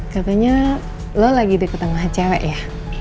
katanya lo lagi diketemu sama cewek ya